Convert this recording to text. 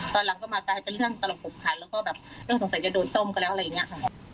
ตอนหลังก็มากลายเป็นเรื่องตลกปกครรภ์แล้วก็แบบเรื่องสงสัยจะโดนต้มกันแล้วอะไรอย่างเงี้ย